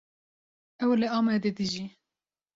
Ew li Amedê dijî.